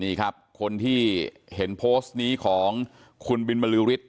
นี่ครับคนที่เห็นโพสต์นี้ของคุณบินบรือฤทธิ